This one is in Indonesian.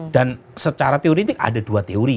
dan secara teoritik ada dua teori